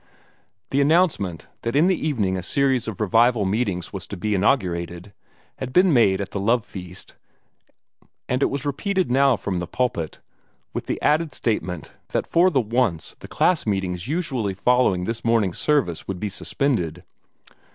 The announcement that in the evening a series of revival meetings was to be inaugurated, had been made at the love feast, and it was repeated now from the pulpit, with the added statement that for the once the class meetings usually following this morning service would be suspended.